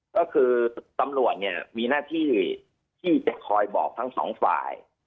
ก็คือตำรวจเนี่ยมีหน้าที่ที่จะคอยบอกทั้งสองฝ่าย